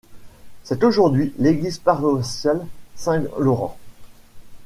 C'est aujourd'hui l'église paroissiale Saint-Laurent.